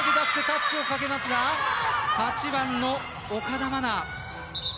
タッチをかけますが８番の岡田愛菜。